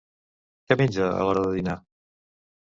Què menja a l'hora de dinar?